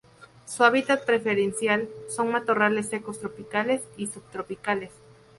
Su hábitat preferencial son matorrales secos tropicales y subtropicales.